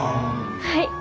はい。